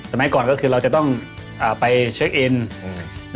ก่อนก็คือเราจะต้องอ่าไปเช็คอินอืม